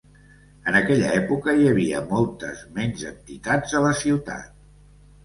En aquella època hi havia moltes menys entitats a la ciutat.